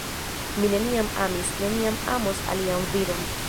Mi neniam amis, neniam amos alian viron.